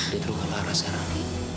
dia terluka parah sekarang